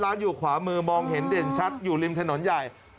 อยู่ขวามือมองเห็นเด่นชัดอยู่ริมถนนใหญ่